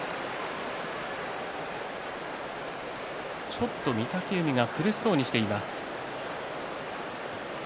ちょっと御嶽海が苦しそうにしています。